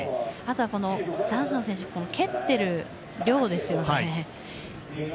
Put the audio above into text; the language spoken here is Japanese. あとは、男子の選手蹴っている量ですよね。